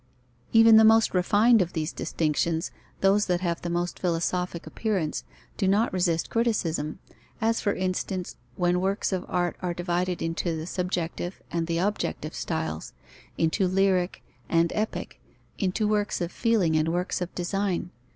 Even the most refined of these distinctions, those that have the most philosophic appearance, do not resist criticism; as, for instance, when works of art are divided into the subjective and the objective styles, into lyric and epic, into works of feeling and works of design.